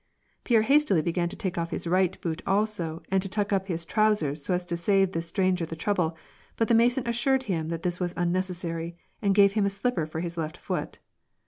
Pierre hastily began to take off his right boot also, and to tuck up his trousers, so as to save this stranger the trouble, but the Mason assured him that this was unnecessary, and gave him a slipper for his left foot.